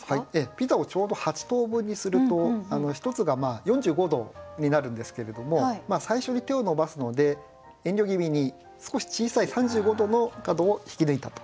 ピザをちょうど８等分にすると１つが４５度になるんですけれども最初に手を伸ばすので遠慮気味に少し小さい３５度の角を引き抜いたと。